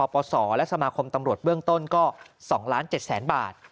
พศและสมาคมตำรวจเบื้องต้นก็๒๗๐๐๐๐๐บาท